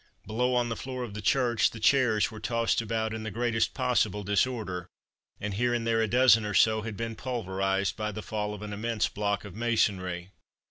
Below, on the floor of the church, the chairs were tossed about in the greatest possible disorder, and here and there a dozen or so had been pulverized by the fall of an immense block of masonry.